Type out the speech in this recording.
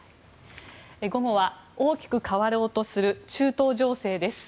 午後は大きく変わろうとする中東情勢です。